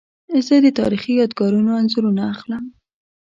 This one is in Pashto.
زه د تاریخي یادګارونو انځورونه اخلم.